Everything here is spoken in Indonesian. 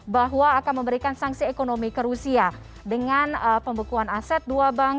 bahwa akan memberikan sanksi ekonomi ke rusia dengan pembekuan aset dua bank